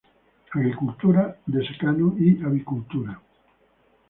Agricultura de secano y avicultura.